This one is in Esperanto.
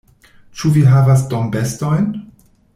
Ĉu vi havas dombestojn?